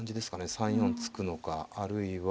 ３四突くのかあるいは。